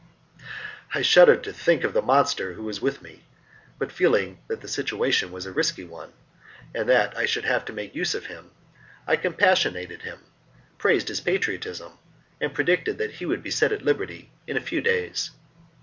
I shuddered to think of the monster who was with me, but feeling that the situation was a risky one, And that I should have to make use of him, I compassionated him, praised his patriotism, and predicted that he would be set at liberty in a few days.